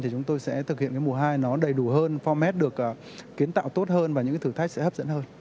thì chúng tôi sẽ thực hiện cái mùa hai nó đầy đủ hơn format được kiến tạo tốt hơn và những thử thách sẽ hấp dẫn hơn